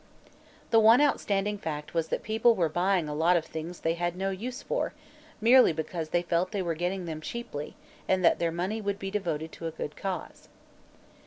The one outstanding fact was that people were buying a lot of things they had no use for, merely because they felt they were getting them cheaply and that their money would be devoted to a good cause.